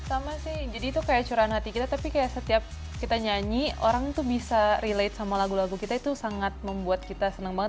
sama sih jadi itu kayak curahan hati kita tapi kayak setiap kita nyanyi orang tuh bisa relate sama lagu lagu kita itu sangat membuat kita senang banget